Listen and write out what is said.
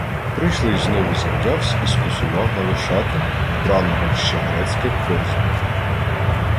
Прийшлий знову зам'явсь і скосував на Вишату, вбраного в ще грецьке корзно.